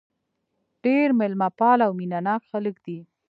ډېر مېلمه پاله او مینه ناک خلک دي.